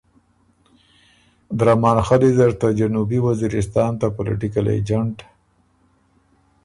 درامن خلّي زر ته جنوبي وزیرستان ته پولیټیکل اېجنټ